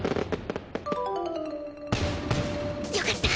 よかった。